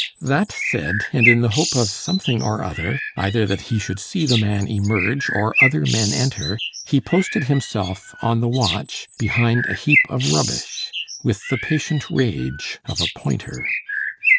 That said, and in the hope of something or other, either that he should see the man emerge or other men enter, he posted himself on the watch behind a heap of rubbish, with the patient rage of a pointer.